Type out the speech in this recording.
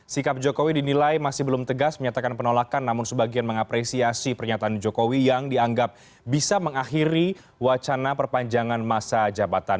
sikap jokowi dinilai masih belum tegas menyatakan penolakan namun sebagian mengapresiasi pernyataan jokowi yang dianggap bisa mengakhiri wacana perpanjangan masa jabatan